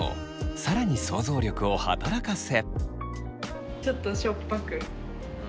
更に想像力を働かせ。